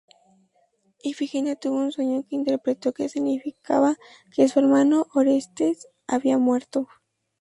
Ifigenia tuvo un sueño que interpretó que significaba que su hermano Orestes había muerto.